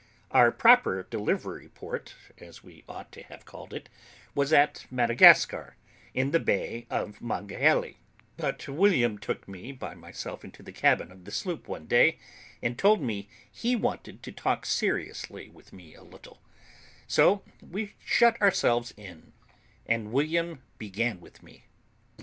Our proper delivery port, as we ought to have called it, was at Madagascar, in the Bay of Mangahelly; but William took me by myself into the cabin of the sloop one day, and told me he wanted to talk seriously with me a little; so we shut ourselves in, and William began with me.